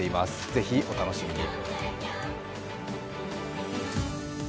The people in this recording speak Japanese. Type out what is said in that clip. ぜひお楽しみに。